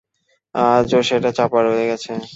আজও সেটা চাপা রয়ে গেছে।